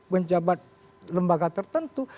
pejabat lembaga tertentu